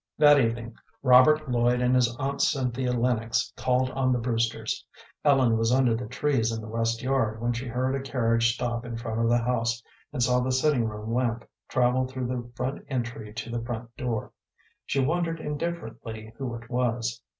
That evening Robert Lloyd and his aunt Cynthia Lennox called on the Brewsters. Ellen was under the trees in the west yard when she heard a carriage stop in front of the house and saw the sitting room lamp travel through the front entry to the front door. She wondered indifferently who it was.